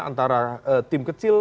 antara tim kecil